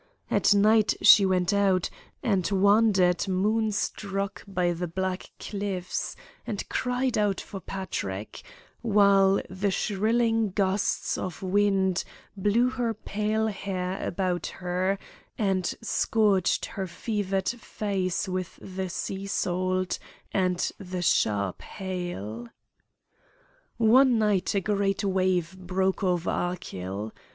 At night she went out, and wandered moon struck by the black cliffs, and cried out for Patrick, while the shrilling gusts of wind blew her pale hair about her, and scourged her fevered face with the sea salt and the sharp hail. One night a great wave broke over Achill.